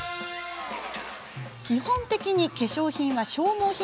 基本的に化粧品は消耗品。